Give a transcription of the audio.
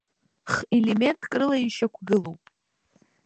Х-елементк рыла ишьақәгылоуп.